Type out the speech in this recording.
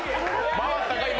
回ったか、今！？